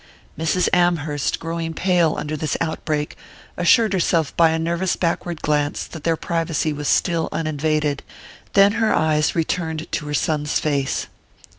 Mrs. Amherst, growing pale under this outbreak, assured herself by a nervous backward glance that their privacy was still uninvaded; then her eyes returned to her son's face.